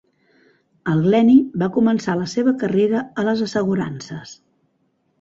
El Glenny va començar la seva carrera a les assegurances.